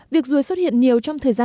việc ruồi xuất hiện nhiều trong thời gian